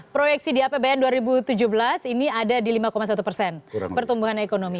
proyeksi di apbn dua ribu tujuh belas ini ada di lima satu persen pertumbuhan ekonomi